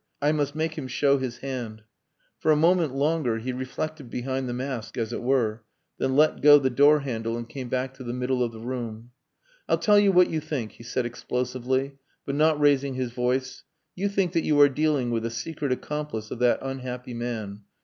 I must make him show his hand." For a moment longer he reflected behind the mask as it were, then let go the door handle and came back to the middle of the room. "I'll tell you what you think," he said explosively, but not raising his voice. "You think that you are dealing with a secret accomplice of that unhappy man.